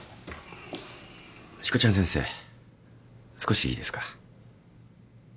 しこちゃん先生少しいいですか？